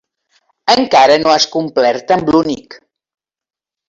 Encara no has complert amb l'únic.